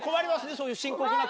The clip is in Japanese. そういう深刻な時にね。